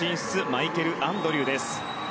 マイケル・アンドリューです。